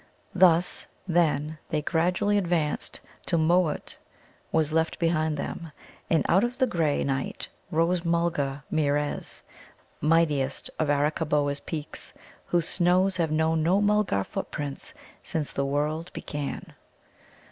Thus, then, they gradually advanced till Mōōt was left behind them, and out of the grey night rose Mulgarmeerez, mightiest of Arakkaboa's peaks, whose snows have known no Mulgar footprints since the world began.